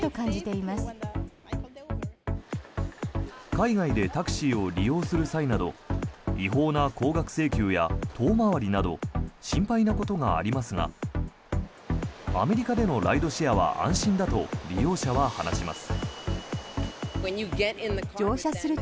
海外でタクシーを利用する際など違法な高額請求や遠回りなど心配なことがありますがアメリカでのライドシェアは安心だと利用者は話します。